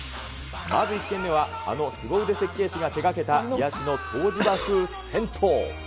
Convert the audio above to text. まず１軒目は、あのすご腕設計士が手がけた癒やしの湯治場風銭湯。